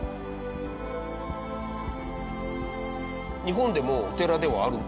日本でもお寺ではある。